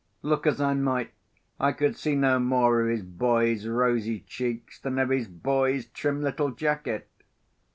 Look as I might, I could see no more of his boy's rosy cheeks than of his boy's trim little jacket.